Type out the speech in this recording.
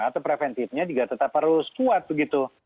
atau preventifnya juga tetap harus kuat begitu